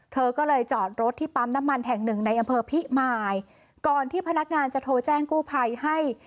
เธอก็เลยจอดรถที่ปั๊มน้ำมันแห่งหนึ่งในอำเภอพิมายก่อนที่พนักงานจะโทรแจ้งกู้ภัยให้